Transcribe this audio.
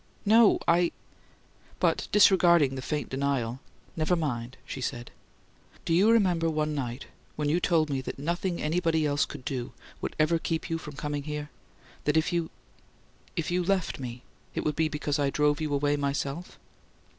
"No I " But disregarding the faint denial, "Never mind," she said. "Do you remember one night when you told me that nothing anybody else could do would ever keep you from coming here? That if you if you left me it would be because I drove you away myself?"